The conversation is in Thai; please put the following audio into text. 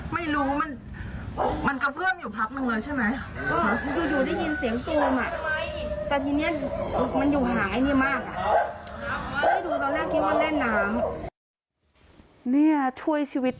ไม่รู้มันกระเพื่อมอยู่พักนึงแล้วใช่ไหม